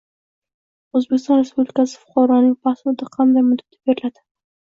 O‘zbekiston Respublikasi fuqaroning pasporti qanday muddatga beriladi?